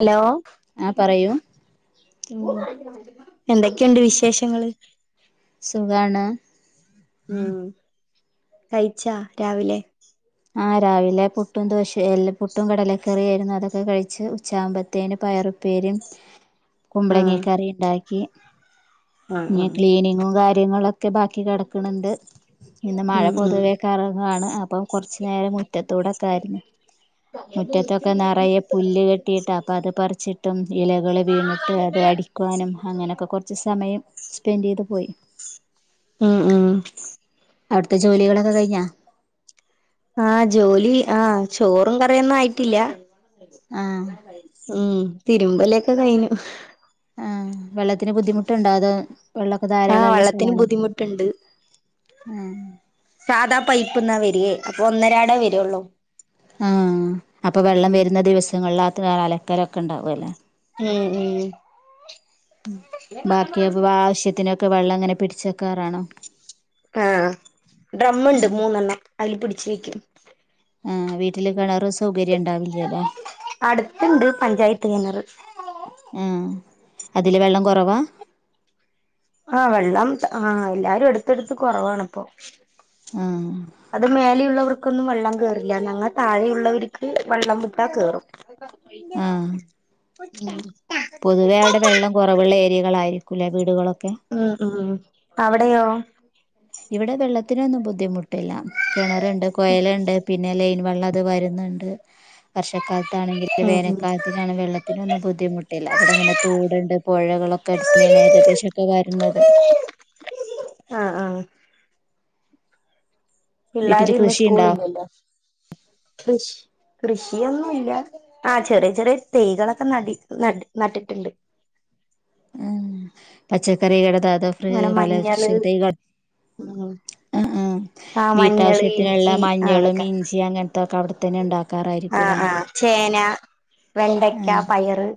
Hello ആ പറയൂ എന്തൊക്കെയുണ്ട് വിശേഷങ്ങള്. സുഖാണ് ഉം കഴിച്ചാ രാവിലെ. ആഹ് രാവിലെ പുട്ടും ദോശ. എല്ലപ്പുട്ടും കടലക്കറിയ ആയിരുന്നു അതൊക്കെ കഴിച്ച് ഉച്ചാകുമ്പഴത്തേന് പയറുപ്പേരിം. കുമ്പളങ്ങ ആഹ് കറി ഉണ്ടാക്കി ആഹ് ഇ ആഹ് ക്ലീനിങ്ങും കാര്യങ്ങളൊക്കെ ബാക്കി കിടക്കണണ്ട്. ഇന്ന് മഴ ഉം ഉം പൊതുവേൊക്കെ ഇറങ്ങുവയാണ് അപ്പൊ കൊറച്ചു നേരം മുറ്റത്തൂടെൊക്കെ ആയിരുന്നു. മുറ്റത്തൊക്കെ നിറയെ പുല്ല് കെട്ടിയിട്ടാ അപ്പൊ അത് പിച്ചിട്ടും ഇലകള് വീണിട്ട് അത് ആടി ടിക്കാനും അങ്ങനെയൊക്കെ കൊറച്ച് സമയം സ്പെൻഡ് ചെയ്ത് പോയി. മ്മ്മ് അവിടുത്തെ ജോലികളൊക്കെ കഴിഞ്ഞാ? ആഹ ജോലി ആഹ ചോറും കറയൊന്നും ആയിട്ടില്ല. ആഹ് ഉം തിരുമ്പല ഒക്കെ കഴിഞ്ഞു. ആഹ് വെള്ളത്തിന് ബുദ്ധിമുട്ടുണ്ടാ അതോ വെള്ളമൊക്കെ ധാരാളം ആഹ് ഉള്ള വെള്ളത്തിന് സ്ഥലാണോ? ബുദ്ധിമുട്ടുണ്ട് ഉം സാധാ പൈപ്പ് എന്നാ വരകേ അപ്പൊ ഒന്നരടേ വരുള്ളോ ആഹ അപ്പൊ വെള്ളം വരുന്ന ദിവസങ്ങളിലാത്ത കാലക്കാരൊക്കെ ഉണ്ടാവും അല്ലേ? ഉം ഉം ബാക്കി അപ്പൊ ആവശ്യത്തിനൊക്കെ വെള്ളം അങ്ങനെ പിടിച്ചക്കാറാണോ? ആഹ ഡ്രമ്മുണ്ട് മൂന്നെണ്ണം അതില് പിടിച്ച് വെക്കും. ആ വീട്ടിൽ കിണർ. അടുത്തണ്ട് പഞ്ചായത്ത് കിണറ്. ആഹ അതില് വെള്ളം കുറവാ. ആഹ് വെള്ളം ആഹ് എല്ലാരും എടുത്തെടുത്ത് കുറവാണിപ്പൊ. ആഹ് അത് മേലെയുള്ളവർക്ക് കൊന്നും വെള്ളം കേയറില്ല. ഞങ്ങളൊ താഴെയുള്ളവർക്ക് വെള്ളം മുട്ടാ കേറും. ആഹ്. ഉ [inaudible] പൊതുവേ അവിടെ വെള്ളം കുറവുള്ള ഏരിയകളായിരിക്കൂല വീടുകളൊക്കെ. ഉം ഉം അവിടെയോ? ഇവിടെ വെള്ളത്തിനൊന്നും ബുദ്ധിമുട്ടില്ല. കിണറുണ്ട്. കൊയലുണ്ട്. പിന്നെ ലൈൻ വെള്ളത് വരുന്നുണ്ട് വ കാലത്താണെങ്കിൽ ഉം ഉം വേനക്കാലത്തിനാണ് വെള്ളത്തിനൊന്നും ബുദ്ധിമുട്ടില്ല അവിടെ ഇങ്ങനെ തോടുണ്ട്, പുഴകളൊക്കെ എടുത്ത് [unintelligible] ഏകദേശംൊക്കെ വരുന്നത്. ആഹ്. ആഹ് വീട്ടില് പിള്ളാര് ഇന്ന് സ്കൂള് കൃഷിയുണ്ടോ ഇല്ലല്ലോ. കൃഷിയൊന്നുമില്ല ആ ചെറിയ ചെറിയ തൈകളൊക്കെ നടി ന നട്ടിട്ടുണ്ട്. [inaudible] പച്ചക്കറി കടത ഇങ്ങനെ മഞ്ഞള് ഉം [unintelligible] ആ ഉ ആഹ് മഞ്ഞള് വീട്ടാവശ്യത്തിനുള്ള ഇഞ്ചി ആഹ് മഞ്ഞളും ഇഞ്ചിയ അങ്ങന--ത്തൊക്കെ അവിടെ. ആ ആഹ് ചേന, വെണ്ടയ്ക്ക, ആഹ് പയറ്.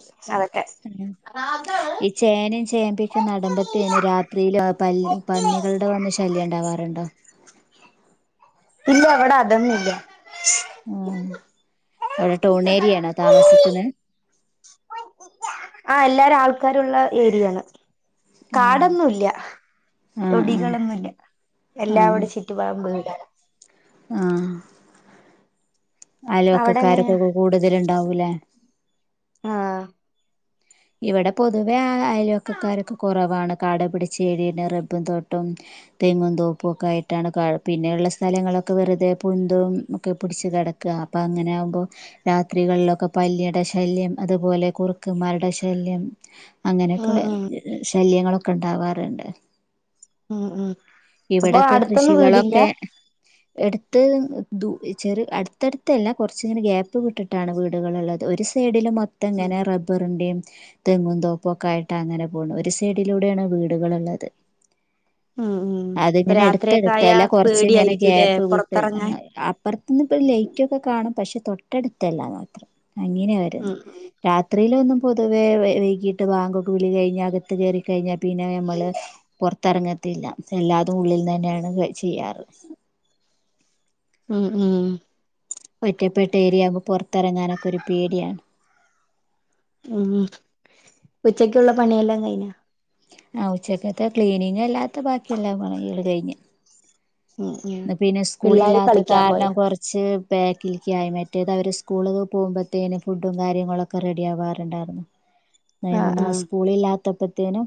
ആഹ് അ ഈ ചേനയും ചേമ്പിക്കും നടുമ്പത്തേനും രാത്രിൽ പ പന്നികളുടെ വന്ന ശല്യം ഉണ്ടാവും. വാരണ്ട. [inaudible] ഇല്ല അവിടെ അതൊന്നും ഇല്ല്യാ. ആ അവിടെ ടൗണേരിയാണോ താമസിക്കുന്നത്? ആ എല്ലാരും ആൾക്കാരുള്ള ഏരിയയാണ്. ആഹ് കാടൊന്നും ഇല്ല്യാ. ആഹ് തൊടികളൊന്നുഇല്ല എല്ലാഇവിടെ ചുറ്റു ഭാഗം വീടാണ്. ആഹ. അവിടെ എങ്ങനെയാ അലുവക്കക്കാരൊക്കെ കൂടുതല ഉണ്ടാവൂലേ ആഹ ഇവിടെ പൊതുവെ അയല് വക്കക്കാരൊക്കെ കുറവാണ്. കാട് പിടിച്ച എരിണ് റബ്ബും തൊട്ടും. തെങ്ങും തോപ്പും ഒക്കെ ആയിട്ടാണ് പിന്നെയുള്ള സ്ഥലങ്ങളൊക്കെ വെറുതെ പുന്തും ഒക്കെ പിടിച്ച് കിട അപ്പൊ അങ്ങനെ ആകുമ്പോ രാത്രികളിലൊക്കെ പല്ലിയുടെ ശല്യം. അതുപോലെ കുറുക്കുമാരുടെ ശ ശല്യം ഉം അങ്ങനെയൊക്കെ ഉം ശല്യങ്ങളൊക്കെ ഉണ്ടാവാറുണ്ട്. ഉം ഉം അപ്പൊ ഇവിടെക്കെ അടുത്തൊന്നും വീടില്ല കൃഷികളൊക്കെ എടു ത് ചെറിയ അടുത്തടുത്തല്ലാ കുറച്ചിങ്ങനെ ഗ്യാപ്പ് കിട്ടിട്ടാണ്. വീടുകളുള്ളത്. ഒരു സൈഡിൽ മൊ ത ഉം എങ്ങനെ റബ്ബറിന്റെയും തെങ്ങുംന്തോപ്പ് ഒക്കെ ആയിട്ട് അങ്ങനെ പോണ്. ഒരു സൈഡിലൂടെയാണ് വീടുകളള്ളത്. ഉം ഉം അതിങ്ങനെ എടുത്ത് രാത്രിയൊക്കായ എടുത്ത്ല്ലാം കൊറച്ച് ഇങ്ങനെ പേടിയായിരിക്കുംല്ലേ ഗ്യാപ്പ് വിട്ട് പുറത്തിറങ്ങാൻ അപ്പുറത്തന്ന് ഇപ്പ ലയിക്ക കാണും പക്ഷെ തൊട്ടടുത്താല്ലാന്നു മാത്രം അങ്ങനെയാവര് ഉം രാത്രിയിലൊന്നും. പൊതുവേ വൈകീയിട്ട് ബാങ്കൊക്കെ വിളി കഴിഞ്ഞാൽ അകത്ത് കയറി കഴിഞ്ഞാൽ പിന്നെ നമ്മള് പുറത്തിറങ്ങ പത്തില്ല എല്ലാതും ഉള്ളിൽ തന്നെയാണ് ചെയ്യാറ്. ഉം ഉം. ഒറ്റപ്പെട്ട ഏരിയാവുമ്പ് പുറത്തിറങ്ങാനൊക്കെ ഒരു പേടിയാണ്. ഉം ഉച്ചക്കുള്ള പണിയെല്ലാം കഴിഞ്ഞ? ആ ഉച്ചക്കത്തെ ക്ലീനിങ് അല്ലാത്ത ബാക്കിയ എല്ല പണികളും കഴിഞ്ഞ്. ഉം ഉം പിന്നെ സ്കൂളി പിള്ളേര് ഇല്ലാത്ത കളിക്കാൻ കാരണം. പോയാ കൊറച്ച് ബാക്കിലേക്ക് ആയി മറ്റേത് അവര് സ്കൂളിലോക്കെ പോകുമ്പോഴത്തേും ഫുഡും കാര്യങ്ങളൊക്കെ റെഡി ആവാറുണ്ടായിരുന്നു. ന്ന് ആഹ് നാ ആഹ് സ്കൂള് ഇല്ലാത്തപ്പോത്തേനും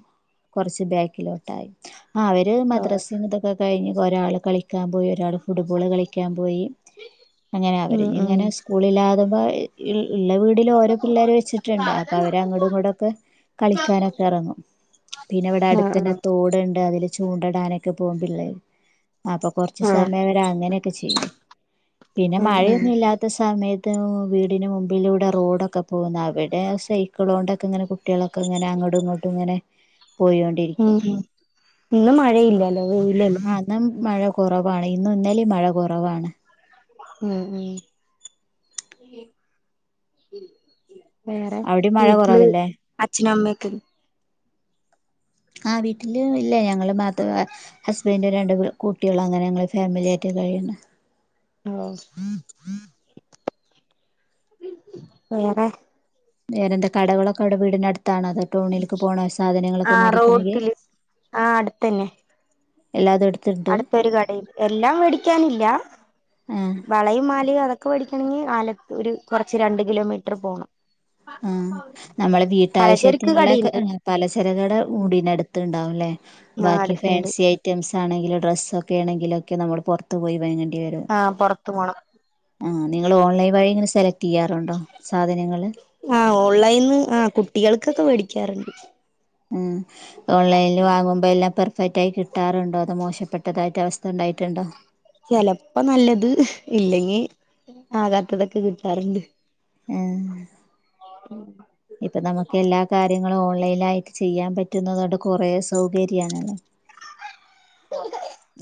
കൊറച്ച് ബാക്കിലോട്ടായി. ആ അവര് ഓ മദ്രസേന്ന് ഇതൊക്കെ കഴിഞ്ഞ് ഒരാള് കളിക്കും കളിക്കാൻ പോയി ഒരാള് ഫുട്ബോള് കളിക്കാൻ പോയി അങ്ങനെ ഉം ഉം അവരിങ്ങനെ സ്കൂളില്ലാതാകുമ്പോ ഇള്ള ഇള്ള വീടില് ഓരോ പിള്ളേർ വെച്ചിട്ട്ണ്ട് അപ്പൊ അവര് അങ്ങടും ഇങ്ങ്ടൊക്കെ കളിക്കാനൊക്കെ എറങ്ങും പിന്നെ ഇവിടെ അടുത്ത് ആഹ് തന്നെ ആഹ് തോടുണ്ട് അതില് ചൂണ്ടടാനൊക്കെ പോകും പിള്ളേര് അപ്പൊ കുറച്ച് ആഹ് സമയം അവര് അങ്ങനെയൊക്കെ ചെയ്യും പിന്നെ ഉം ഉം മഴയൊന്നും ഇല്ലാത്ത സമയത്ത് വീടിന് മുമ്പിലൂടെ റോഡൊക്കെ പോകുന്ന് അവിടെ സൈക്കിൾ കൊണ്ടൊക്കെ ഇങ്ങനെ കുട്ടികളൊക്കെ ഇങ്ങനെ അങ്ങടും ഇങ്ങോട്ടും ഇങ്ങനെ ഉം പോയോണ്ടിരിക്കും ഉം ഇന്ന് മഴയില്ലല്ലോ വെയിലല്ലേ ആ ഇന്ന് മഴ കുറവാണ് ഇന്നും ഇന്നലേം മഴ കുറവാണ് ഉം ഉം വേറെ അവിടെയും മഴ വീട്ടില് കുറവല്ലേ അച്ഛന് അമ്മയൊക്കെ ആ വീട്ടില് ഇല്ല ഞങ്ങള് മാത്രം ഹസ്ബൻഡും രണ്ട് കുട്ടികളും അങ്ങനെ ഞങ്ങള് ഫാമിലിയായിട്ട് കഴിയണ് ആ വേറെ വേറെ എന്താ കടകളൊക്കെ വീടിന് അടുത്ത് ത്താണോ അതോ ടൗണിലേക്ക് പോണ ആ സാധനങ്ങളൊക്കെ മേടിക്കണങ്കിൽ റോട്ടില് ആ അടുത്തന്നെ അടുത്തൊരു കടയിൽ എല്ലാം വേടിക്കാനില്ല ആ വളയും മാലയും അതൊക്കെ വേടിക്ക നെങ്കി ആലത്തൂര് കുറച്ച് രണ്ട് കിലോമീറ്റർ പോണം ആ നമ്മളെ പലചരക്ക് വീട്ടാവശ്യത്തിനുള്ള കടയുണ്ട് പലചരകട വീടിനടുത്തണ്ടാവുല്ലേ ആ ബാക്കി അടുത്തുണ്ട് ഫാൻസി ഐറ്റംസ് ആണെങ്കിലും ഡ്രസ് ഒക്കെ ആണെങ്കിലൊക്കെ നമ്മൾ പുറത്ത് പോയി വാങ്ങി ആ പൊറത്തു പോണം ആ നിങ്ങൾ ഓൺലൈൻ വഴി ഇങ്ങനെ സെലക്ടെയ്യാറുണ്ടോ സാധനങ്ങള് ആ ഓൺലൈൻന്ന് കുട്ടികൾക്കൊക്കെ വേടിക്കാറുണ്ട് ഉം ഓൺലൈനിൽ വാങ്ങുമ്പോ എല്ലാം പെർ ഫെറ്റായി കിട്ടാറുണ്ടോ അതൊ മോശപ്പെട്ടതായിട്ട് അവസ്ഥ ഉണ്ടായിട്ടുണ്ടോ ചെലപ്പോ നല്ലത് ഇല്ലെങ്ങി ആകാത്തതൊക്കെ കിട്ടാറുണ്ട് ആ ഇപ്പ നമുക്ക് എല്ലാ കാര്യങ്ങളും ഓൺ ലായിട്ട് ചെയ്യാൻ പറ്റുന്നതോണ്ട് കൊറേ സൗകര്യാണല്ലോ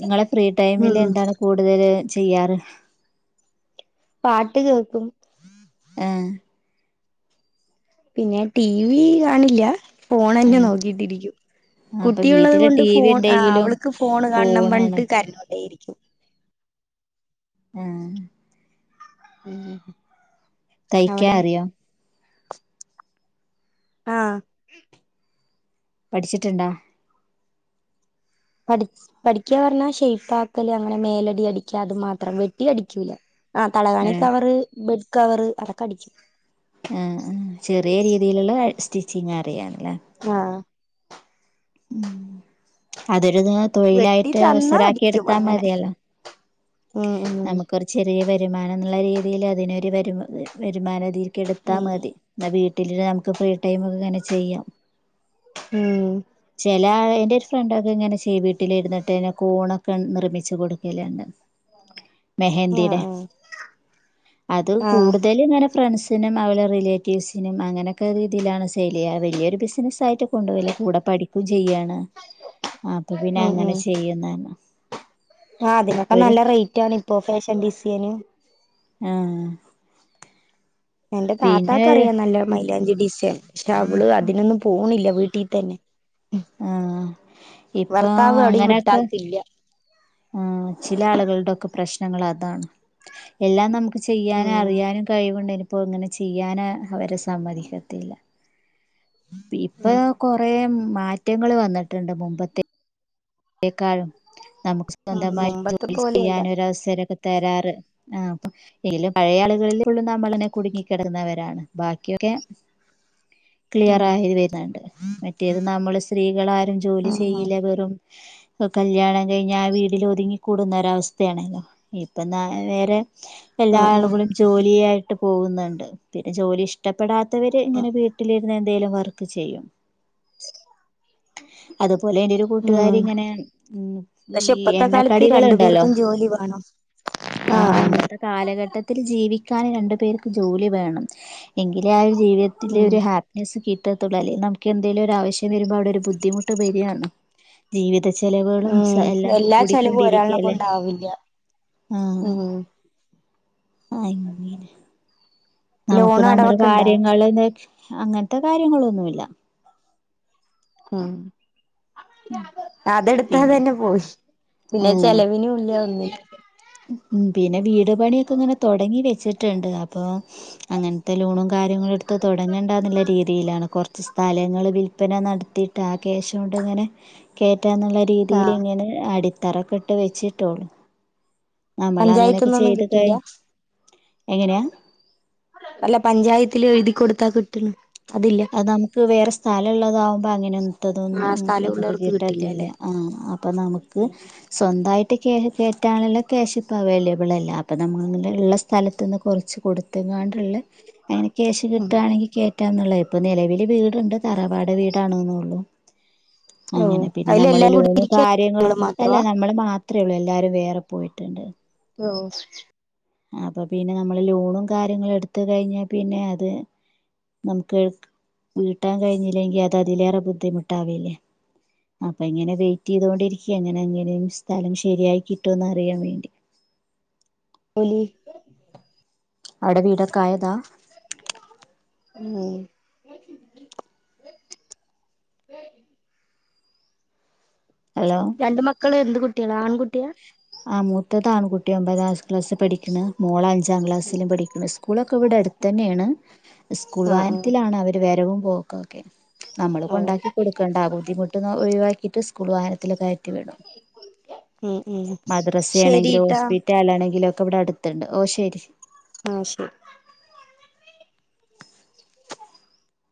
നിങ്ങളെ ഫ്രീ ടൈമില് ഉം എന്താണ് കൂടുതല് ചെയ്യാറ് പാട്ട് കേക്കും ആ പിന്നെ ടി വി കാണില്ല ഫോൺ തന്നെ ആഹ് നോക്കീട്ടിരിക്കും അപ്പൊ കുട്ടിയുള്ളത് വീട്ടില് കൊണ്ട് ടി വി ഫോൺ ആ ഉണ്ടെങ്കിലും അവൾക്ക് ഫോൺ കാണണം ഫോണാണ് പറഞ്ഞിട്ട് കരഞ്ഞുകൊണ്ടേയിരിക്കും ആ ഉം തയ്ക്കാ അറിയോ ആ പഠിച്ചിട്ടിണ്ടാ പഠിച്ച് പഠിക്ക പറഞ്ഞാ ഷെയ്പ്പാക്കല് അങ്ങനെ മേലടി അടിക്കാ അത് മാത്രം വെട്ടി അടിക്കൂല ആ തലകാണി ആഹ് കവറ് ബെഡ് കവറ് അതൊക്കെ അടിക്കും ആ ആ ചെറിയ രീതിയിലുള്ള സ്റ്റിച്ചിങ് അറിയാന്ലേ ആ ഉം അതൊരുത് വെട്ടി തൊഴിലായിട്ട് തന്നാ അവസരാക്കി അടിക്കും എടുത്താ അങ്ങനെ മതിയല്ലോ ഉം ഉം നമുക്കൊരു ചെറിയ വരുമാനംന്നുള്ള രീതിയിൽ അതിനൊരു വരു വരുമാന എടുത്താൽ ഉം മതി എന്ന വീട്ടില് നമുക്ക് ഫ്രീ ടൈം ഒക്കെ അങ്ങനെ ചെയ്യാം ഉം എല്ലാ എന്റെ ഒരു ഫ്രണ്ടൊക്കെ ഇങ്ങനെ ചെയ്യ വീട്ടില് ഇരുന്നിട്ട് കൂണൊക്കെ നിർമിച്ചു കൊടുക്കലിണ്ട് മെഹതിയുടെ ആഹ് ആഹ് അത് ആഹ് കൂടുതൽങ്ങനെ ഫ്രണ്ട്സിനും അവടെ റിലേറ്റീവ്സിനും അങ്ങനെയൊക്കെ രീതിയിലാണ് സെയ്ല് വലിയൊരു ബിസിനസ്സായിട്ട് കൊണ്ടു പോയില്ല കൂടെ പഠിക്കും ചെയ്യാണ് അപ്പൊ പിന്നെ അങ്ങനെ ചെയ്യുന്നാണ് ആ അതിനൊക്കെ നല്ല റേറ്റ് ആണ് ഇപ്പോ ഫാഷൻ ഡിസൈനിംഗ് ആ എന്റെ പിന്നെ താത്താക്ക അറിയാം നല്ല മൈയിലാഞ്ചി ഡിസൈൻ പക്ഷെ അവള് അതിനൊന്നും പോണില്ല വീട്ടിൽ തന്നെ ആ ഇപ്പൊ ഭർത്താവ് എവിടെയും വിട്ടാക്കില്ല ആ ചില ആളുകളുടെക്കെ പ്രശ്നങ്ങൾ അതാണ് എല്ലാം നമുക്ക് ഇപ്പ ചെയ്യാനും ഉം അറിയാനും കഴിവുണ്ട് ഇനിപ്പോ ഇങ്ങനെ ചെയ്യാന അവരെ സമ്മതിക്കത്തില്ല ഇപ്പൊ കൊറേ മാറ്റങ്ങൾ വന്നിട്ടുണ്ട് മുമ്പത്തെ ഇതിനേക്കാളും നമുക്ക് ഉം സ്വന്തമായി മുമ്പത്തെ ജോലി പോലെയല്ല ചെയ്യാാനൊരവസര തരാറ് ആ അ എങ്കിലും പഴയ ആളുകളിൽള്ളും നമ്മളന്നെ കുടുങ്ങിക്കിടക്കുന്നവരാണ് ബാക്കിയൊക്കെ ക്ലിയർ ഉം ആയിത് വരുന്നുണ്ട് മറ്റേത് നമ്മള് സ്ത്രീകൾ ആരും ജോലി ഉം ഉം ചെയ്യില്ല വെറും കല്യാണം കഴിഞ്ഞൽ ആ വീട്ടില് ഒതുങ്ങിക്കൂടുന്ന ഒരവസ്ഥയാണല്ലോ ഇപ്പൊ ന വേറെ എല്ലാ ഉം ഉം ആളുകളും ജോലിയായിട്ട് പോകുന്നുണ്ട് പിന്നെ ജോലി ഇഷ്ടപ്പെടാത്ത മത്തവര് ഉം ഇങ്ങനെ വീട്ടിലിരുന്ന് എന്തേങ്കലും വർക്ക് ചെയ്യും അതുപോലെ എന്റെയ ഒരു ക കട്ടുകാരി ഉം ഇങ്ങനെ ഉ പക്ഷെ ഈ ഇപ്പത്തെ കാലത്ത് രണ്ടു എണ്ണക്കടികളുണ്ടല്ലോ പേർക്കും ജോലി വേണം ആ ആഹ് ആഹ് അന്നത്തെ കാലഘട്ടത്തിൽ ജീവ രണ്ടു പേർക്ക് ജോലി വേണം എങ്കിലും ആ ഒരു ജീവിതത്തിൽ ഉം ഒരു ഹാപ്പിനെസ് കി ട്ടത്തുള്ളൂ നമുക്ക് എന്തെങ്കിലും ഒരു ആവശ്യം വരുമ്പോൾ അവിടെ ഒരു ബുദ്ധിമുട്ട് വരികയാണ് ജീവിത ചെലവുകളും ഉം എല്ലാം എല്ലാ ചെലവും ഒരാളിനെ കൂടിക്കൊണ്ടിരിക്കല്ലേ കൊണ്ടാവില്ല ആ ഉം ആ നമുക്ക് ലോണ് നമ്മുടെ അടവൊക്കെ ഇണ്ടാ കാര്യങ്ങളില് അങ്ങനത്തെ കാര്യങ്ങളൊന്നുമില്ല ആ അതെടുത്താ പിന്നെ തന്നെ പോയി പിന്നെ ഉം ചെലവിനല്ല ഒന്നിനും ഉം പിന്നെ വീട് പണിയൊക്കെ ഇങ്ങനെ തുടങ്ങി വെച്ചിട്ടുണ്ട് അപ്പൊ അങ്ങനത്തെ ലോൺ കാര്യങ്ങളെടുത്ത് തുടങ്ങേണ്ട എന്നുള്ള രീതിയിലാണ് കുറച്ച് സ്ഥലം നിങ്ങൾ വിൽപ്പന നടത്തിയിട്ട് ആ കേശ് കൊണ്ട്ങ്ങനെ കയറ്റ എന്നുള്ള രീതിയിൽ ആഹ് ഇങ്ങനെ അടി തറക്കെട്ട് വെച്ചിട്ടോള്ളൂ പഞ്ചായത്തന്നൊന്നും കിട്ടില്ല എങ്ങനെയാ അല്ല പഞ്ചായത്തില് എഴുതി കൊടുത്താ കിട്ടണ് അതില്ല അത് നമുക്ക് വേറെ സ്ഥലം ഉള്ളതാകുമ്പോ ആ അങ്ങനെത്തതൊന്നും നക്ക് സ്ഥലമുള്ളവർക്ക് കിട്ടില്ല കിട്ടാത്തില്ല അല്ലെ ആ അപ്പം നമുക്ക് സ്വന്തമായിട്ട് കകേയറ്റാണല്ലോ ക്യാഷ് ഇപ്പോൾ അവൈലബിൾ അല്ല അപ്പോം നമ്മൾങ്ങനെ ഉള്ള സ്ഥലത്ത നിന്ന് കുറച്ച് കൊടുത്താണ്ടുള്ള അങ്ങനെ ക്യാഷ് ഉം കിട്ടുകയാണെങ്കിൽ കേയറ്റാന്നുള്ളത് ഇപ്പ ന്നിലവില് വീട്ണ്ട് തറാവാട് വീടാണ്ന്നൊള്ളു ഓ അങ്ങനെ പിന്നെ അതില് നമ്മള് എല്ലാം കൂടി ലോണ് ഇരിക്ക കാര്യങ്ങളും നിങ്ങള് അല്ല മാത്രവാ നമ്മള് മാത്രേ ഒള്ളൂ എല്ലാരും വേറെ പോയിട്ടുണ്ട് ഓ അപ്പൊ പിന്നെ നമ്മള് ലോണും കാര്യങ്ങളും എടുത്ത് കഴിഞ്ഞാ പിന്നെ അത് ന്നമുക്ക് വീട്ടാൻ കയ്ഞ്ഞില്ലെങ്കി അത് അതിലേറെ ബുദ്ധിമുട്ടാവി ല്ലേ അപ്പഇങ്ങനെ വെയ്റ്റെയ്തൊണ്ടിക്ക്യാ അങ്ങനെ എങ്ങനേം സ്ഥലം ശരിയായി കിട്ടോന്ന് അറിയാൻ വേണ്ടി ഒലിവ് അവടെ വീടക്കായതാ [unintelligible] ഹലോ രണ്ട് മക്കള് എന്ത് കുട്ടികള ആൺകുട്ട് യാ ആ മൂത്തതാണ് കുട്ടി ഒമ്പതാം ക്ലാസ് പഠിക്കണ് മോള് അഞ്ചാം ക്ലാസ്സിലും പഠിക്കണ് സ്കൂള ക്കെ ഇവടെ അടുത്തന്നെണ് സ്കൂൾ ആ ആ വാഹനത്തിലാണ് അവര് വരവും പോക്കൊക്കെ നമ്മള് ഓ കൊണ്ടാക്കി കൊടുക്കണ്ട ആ ബുദ്ധിമുട്ട് ഒഴിവാക്കിട്ട് സ്കൂൾ വാഹനത്തി ത്തില് കയറ്റി വിടും ഉം ഉം മദ്രസയാണെങ്കിലും ശരിട്ടാ ഹോസ്പിറ്റാലാണെങ്കിലു ഒക് ക്കെ ഇവടെ അട്ത്ത്ണ്ട് ഓ ശരി ആഹ് ശരി